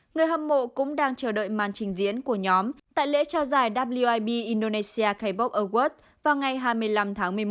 người hâm mộ cũng đang chờ đợi màn trình diễn của nhóm tại lễ trao giải wib indonesia cabook award vào ngày hai mươi năm tháng một mươi một